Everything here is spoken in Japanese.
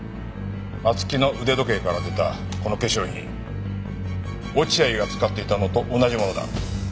松木の腕時計から出たこの化粧品落合が使っていたのと同じものだ。